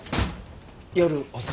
夜遅くに。